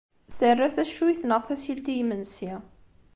Terra taccuyt neɣ tasilt i yimensi.